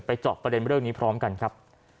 ไปจอบเป็นเรื่องนี้พร้อมกันครับ